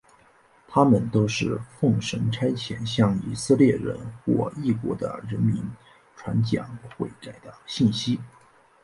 他们都是奉神差遣向以色列人或异国的人民传讲悔改的信息。